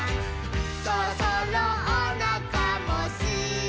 「そろそろおなかもすくでしょ」